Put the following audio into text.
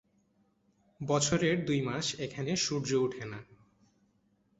বছরের দুই মাস এখানে সূর্য ওঠে না।